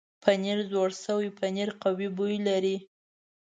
پنېر زوړ شوی پنېر قوي بوی لري.